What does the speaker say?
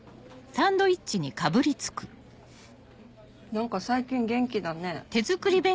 何か最近元気だね。